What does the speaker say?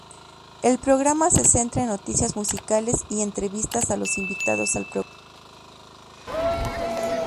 El programa se centra en noticias musicales y entrevistas a los invitados al programa.